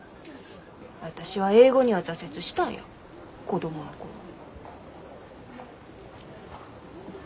私は英語には挫折したんや子供の頃。